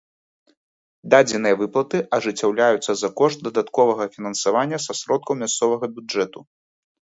Дадзеныя выплаты ажыццяўляюцца за кошт дадатковага фінансавання са сродкаў мясцовага бюджэту.